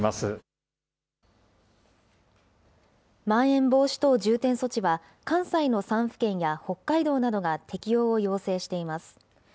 まん延防止等重点措置は関西の３府県や北海道などが適用を要請しています。